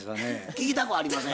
聞きたくありません。